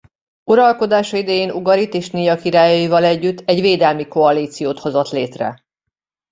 Uralkodása idején Ugarit és Nija királyaival együtt egy védelmi koalíciót hozott létre.